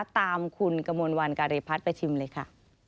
ตามคุณกระมวลวันการีพัฒน์ไปชิมเลยค่ะ